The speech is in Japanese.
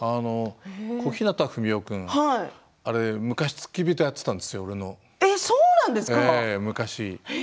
小日向文世君、あれ昔俺の付き人をやっていたんですよ昔。